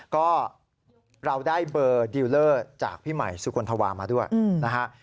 ก็เราได้เบอร์ดีลเลอร์จากพี่ใหม่สุคลธวามาด้วยนะฮะ